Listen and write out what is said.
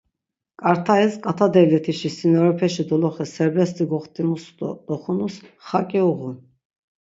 Ǩart̆ais, ǩat̆a devlet̆işi sinorepeşi doloxe serbest̆i goxtimus do doxunus xaǩi uğun.